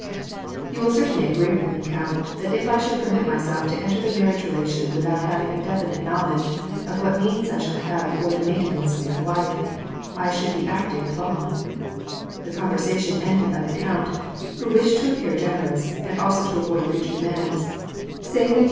" You will certainly agree with me, count, that if I should permit myself to enter the marriage relation without having a definite knowledge of what means I shall have for the main tenance of my wife, I should be acting abom "— The conversation ended by the count, who wished to appear generouS; and also to avoid future demands, saying that be r WAR AND PEACE.